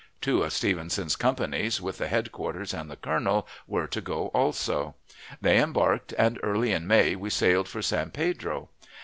Two of Stevenson's companies, with the headquarters and the colonel, were to go also. They embarked, and early in May we sailed for San Pedro.